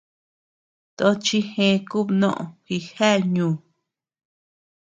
Tochi gë kubnoʼö jigea ñu.